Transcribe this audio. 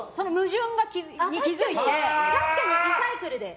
確かにリサイクルで。